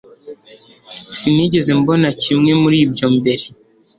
sinigeze mbona kimwe muri ibyo mbere